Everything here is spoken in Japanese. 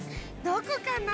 どこかな？